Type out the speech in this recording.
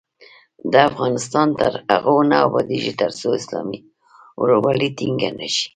افغانستان تر هغو نه ابادیږي، ترڅو اسلامي ورورولي ټینګه نشي.